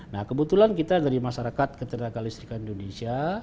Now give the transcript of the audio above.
nah kebetulan kita dari masyarakat ketenagakalistika indonesia